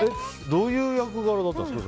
どういう役柄だったんですか。